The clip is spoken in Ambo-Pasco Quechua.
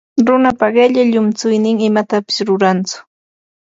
Runapa qilla llunchuynin imatapis rurantsu.